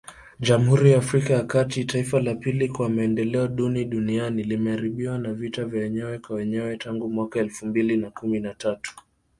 Jamhuri ya Afrika ya kati, taifa la pili kwa maendeleo duni duniani limeharibiwa na vita vya wenyewe kwa wenyewe tangu mwaka elfu mbili na kuni na tatu